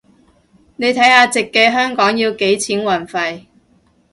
你睇下直寄香港要幾錢運費